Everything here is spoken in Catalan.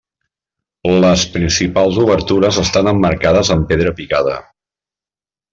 Les principals obertures estan emmarcades amb pedra picada.